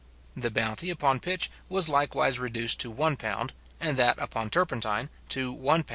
The bounty upon pitch was likewise reduced to £1, and that upon turpentine to £1:10s.